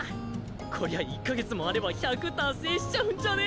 こりゃ１か月もあれば１００達成しちゃうんじゃね？